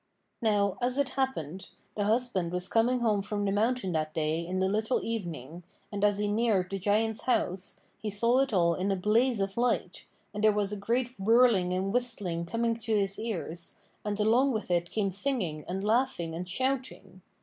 Now, as it happened, the husband was coming home from the mountain that day in the little evening, and as he neared the Giant's house, he saw it all in a blaze of light, and there was a great whirling and whistling coming to his ears, and along with it came singing, and laughing, and shouting.